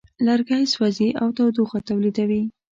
لرګی سوځي او تودوخه تولیدوي.